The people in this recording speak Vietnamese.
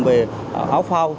về áo pha